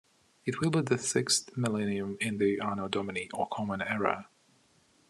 It will be the sixth millennium in the Anno Domini or Common Era.